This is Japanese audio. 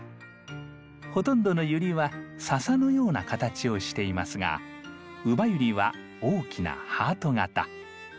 ほとんどのユリは笹のような形をしていますがウバユリは大きなハート形。